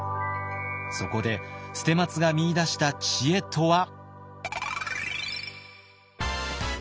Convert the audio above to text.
そこで捨松が見いだした知恵とは。